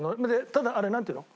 ただあれなんていうの？